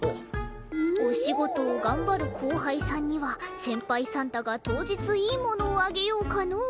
お仕事を頑張る後輩さんには先輩サンタが当日いいものをあげようかのう。